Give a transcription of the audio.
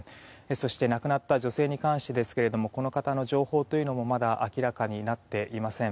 そして亡くなった女性に関してですがこの方の情報もまだ明らかになっていません。